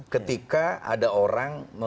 ketika ada orang